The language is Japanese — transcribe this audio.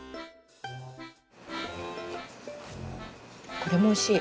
これもおいしい。